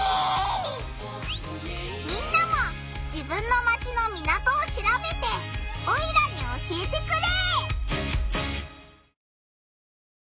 みんなも自分のマチの港をしらべてオイラに教えてくれ！